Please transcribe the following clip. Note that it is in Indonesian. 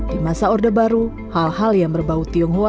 di masa orde baru hal hal yang berbau tionghoa